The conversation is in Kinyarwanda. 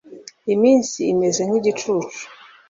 iminsi imeze nk igicucu